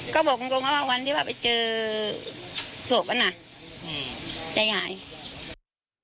ก็บอกคุณคุณค่ะว่าวันที่พ่อไปเจอส่วนกันอ่ะอืมได้ไง